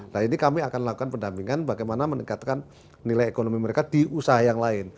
nah ini kami akan lakukan pendampingan bagaimana meningkatkan nilai ekonomi mereka di usaha yang lain